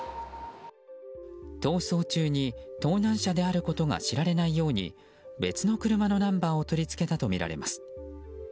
逃走中に盗難車であることが知られないように別の車のナンバーを取り付けたとみられます。